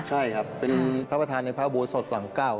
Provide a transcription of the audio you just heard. ใช่ครับเป็นพระประธานในพระอุโบสถหลังเก้า